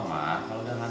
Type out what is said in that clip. iya bener banget